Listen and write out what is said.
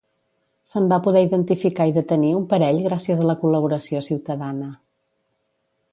Se'n va poder identificar i detenir un parell gràcies a la col·laboració ciutadana.